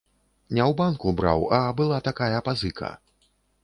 Не ў банку браў, а была такая пазыка.